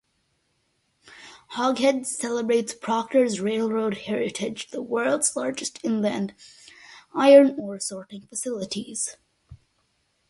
Hoghead celebrates Proctor's railroad heritage - the world's largest inland iron ore sorting facilities.